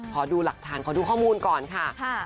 ขอดูหลักฐานขอดูข้อมูลก่อนค่ะ